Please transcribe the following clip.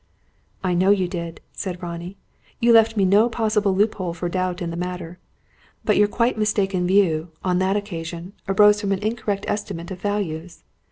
"I know you did," said Ronnie. "You left me no possible loop hole for doubt in the matter. But your quite mistaken view, on that occasion, arose from an incorrect estimate of values.